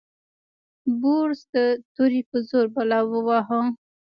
بوریس د تورې په زور بلا وواهه.